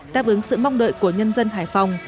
đáp ứng sự mong đợi của nhân dân hải phòng